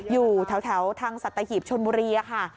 อยู่แถวทางสัตหีบชนบุรีค่ะ